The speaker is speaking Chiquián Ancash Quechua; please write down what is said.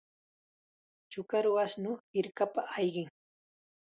Chukaru ashnu hirkapa ayqin.